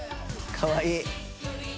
かわいい！